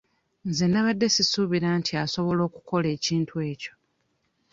Nze nnabadde sisuubira nti asobola okukola ekintu ekyo.